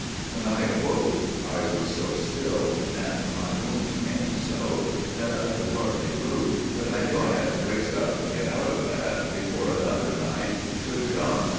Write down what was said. "'When I awoke I was so still and my wounds pained so, that I could hardly move. But I knew I had to brace up, and get out of that before another night should come.